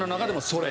それ。